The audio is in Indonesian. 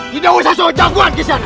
tidak usah seorang jahuan kisah nak